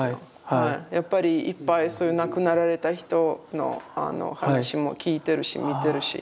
やっぱりいっぱいそういう亡くなられた人の話も聞いてるし見てるし。